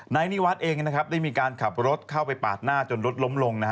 นายนิวัฒน์เองได้มีการขับรถเข้าไปปาดหน้าจนรถล้มลง